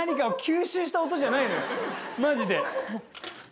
マジで。